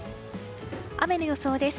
雨の予想です。